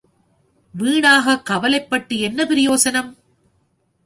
வீணாகக் கவலைப்பட்டு என்ன பிரயோசனம்?